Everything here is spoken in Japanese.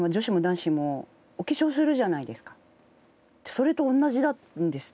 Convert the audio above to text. それと同じなんですって。